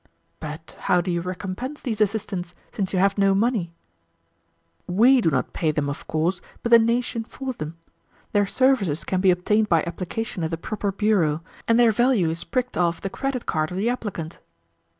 "But how do you recompense these assistants, since you have no money?" "We do not pay them, of course, but the nation for them. Their services can be obtained by application at the proper bureau, and their value is pricked off the credit card of the applicant."